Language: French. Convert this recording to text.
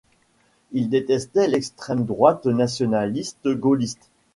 Il détestait l’extrême droite nationaliste gaulliste.